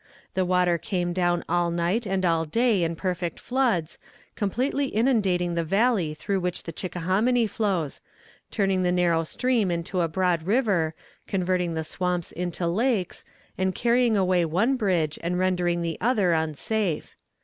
The water came down all night and all day in perfect floods, completely inundating the valley through which the Chickahominy flows, turning the narrow stream into a broad river, converting the swamps into lakes, and carrying away one bridge and rendering the other unsafe.